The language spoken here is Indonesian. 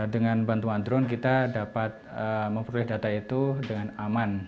dengan bantuan drone kita dapat memperoleh data itu dengan aman